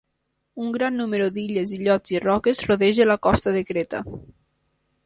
Un gran nombre d'illes, illots i roques rodeja la costa de Creta.